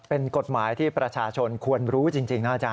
เป็นกฎหมายที่ประชาชนควรรู้จริง